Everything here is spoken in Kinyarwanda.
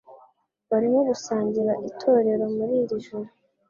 Barimo gusangira itorero muri iri joro.